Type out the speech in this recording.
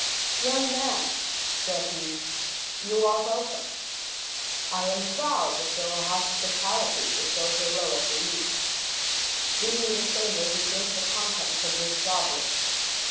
"Young man," said he, "you are welcome! I am proud to show hospitality to so heroic a youth. Do me the favor to drink the contents of this goblet.